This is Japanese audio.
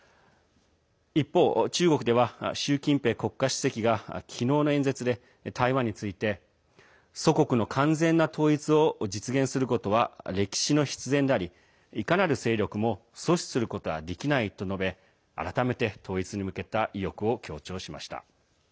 一方、中国では習近平国家主席が昨日の演説で台湾について、祖国の完全な統一を実現することは歴史の必然でありいかなる勢力も阻止することはできないと述べ改めて、統一に向けた意欲を強調しました。